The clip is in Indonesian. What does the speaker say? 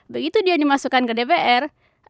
begitu dia dimasukkan ke dpr